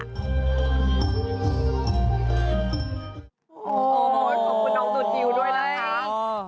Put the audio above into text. โอ้โหขอบคุณน้องตัวนิวด้วยนะคะ